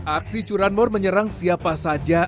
aksi curanmor menyerang siapa saja